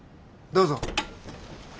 どうぞ。